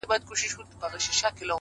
• بله چي وي راز د زندګۍ لري ,